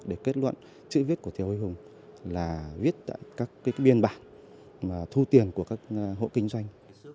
để kết luận chữ viết của thiếu huy hùng là viết các biên bản thu tiền của các hộ kinh doanh